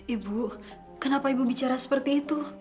ibu kenapa ibu bicara seperti itu